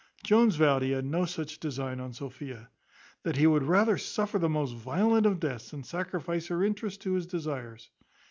Jones vowed he had no such design on Sophia, "That he would rather suffer the most violent of deaths than sacrifice her interest to his desires."